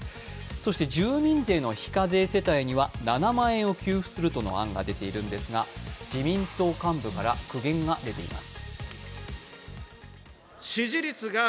そして住民税の非課税世帯には７万円を給付するとの案が出ているのですが自民党幹部から苦言が出ています。